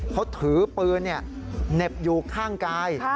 เขาถือปืนเหน็บอยู่ข้างกาย